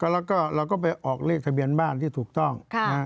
แล้วก็เราก็ไปออกเลขทะเบียนบ้านที่ถูกต้อง